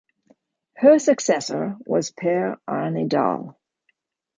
Her successor was Per Arne Dahl.